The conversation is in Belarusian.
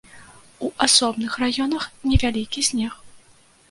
У асобных раёнах невялікі снег.